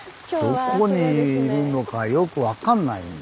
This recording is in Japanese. どこにいるのかよく分かんないんです。